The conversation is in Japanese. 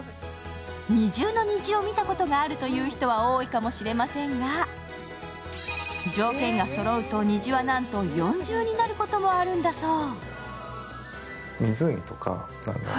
２重の虹を見たことがあるという人は多いかもしれませんが、条件がそろうと虹はなんと４重になることもあるんだそう。